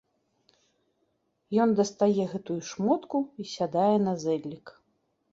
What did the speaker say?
Ён дастае гэту шмотку й сядае на зэдлік.